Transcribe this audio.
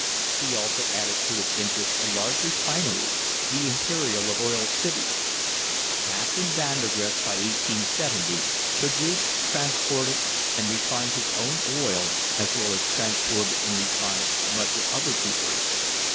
He also added to his interests a large refinery, the Imperial of Oil City. Captain Vandergrift by 1870 produced, transported and refined his own oil as well as transported and refined much of other people's.